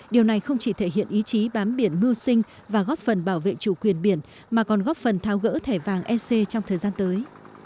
điều này không chỉ thể hiện ý chí bám biển mưu sinh và góp phần bảo vệ chủ quyền biển mà còn góp phần tháo gỡ thẻ vàng ec trong thời gian tới